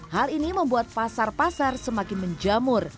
hal ini membuat pasar pasar semakin menjamur